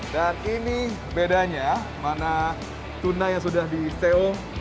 dan ini bedanya mana tuna yang sudah di seo